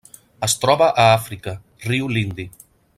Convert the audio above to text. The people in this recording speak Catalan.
Es troba a Àfrica: riu Lindi.